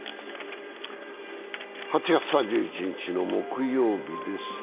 ８月３１日の木曜日です。